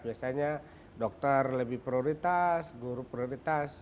biasanya dokter lebih prioritas guru prioritas